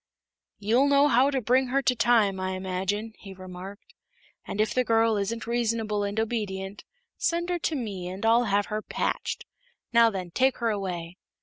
"You'll know how to bring her to time, I imagine," he remarked, "and if the girl isn't reasonable and obedient, send her to me and I'll have her patched. Now, then, take her away."